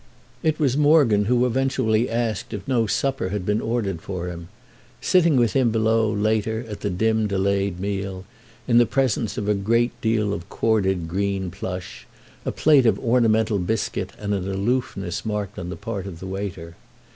It was Morgan who eventually asked if no supper had been ordered for him; sitting with him below, later, at the dim delayed meal, in the presence of a great deal of corded green plush, a plate of ornamental biscuit and an aloofness marked on the part of the waiter.